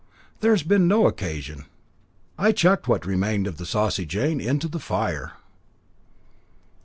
"There's been no occasion. I chucked what remained of the Saucy Jane into the fire."